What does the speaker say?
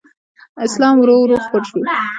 اسلام ورو ورو خپور شو